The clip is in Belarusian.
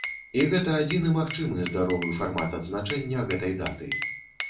І гэта адзіны магчымы здаровы фармат адзначэння гэтай даты.